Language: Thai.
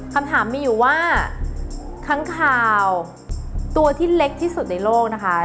คำถามมีอยู่ว่าค้างคาวตัวที่เล็กที่สุดในโลกนะคะ